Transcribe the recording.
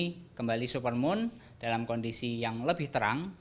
bumi kembali super moon dalam kondisi yang lebih terang